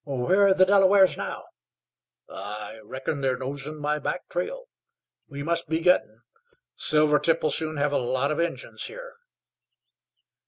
'' "Where are the Delawares now?" "I reckon there nosin' my back trail. We must be gittin'. Silvertip'll soon hev a lot of Injuns here."